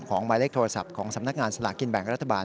หมายเลขโทรศัพท์ของสำนักงานสลากกินแบ่งรัฐบาล